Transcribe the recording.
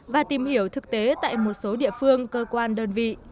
và tìm hiểu thực tế tại một số địa phương cơ quan đơn vị